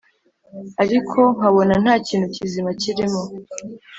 ariko nkabona ntakintu kizima kirimo!